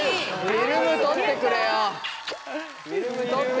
フィルム取ってくれって。